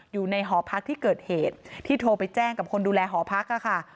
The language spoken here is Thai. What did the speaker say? หอพักที่เกิดเหตุที่โทรไปแจ้งกับคนดูแลหอพักค่ะ